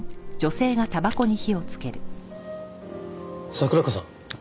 桜子さん